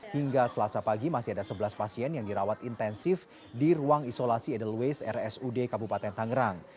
hingga selasa pagi masih ada sebelas pasien yang dirawat intensif di ruang isolasi edelweiss rsud kabupaten tangerang